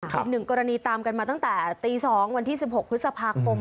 อีกหนึ่งกรณีตามกันมาตั้งแต่ตี๒วันที่๑๖พฤษภาคม